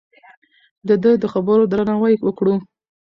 د ده د خبرو درناوی وکړو.